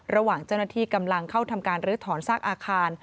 ระหว่างเจ้าหน้าที่กำลังเข้าทำการลื้อถอนซากอาคาร